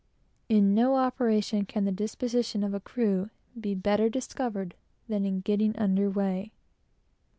In no operation can the disposition of a crew be discovered better than in getting under weigh.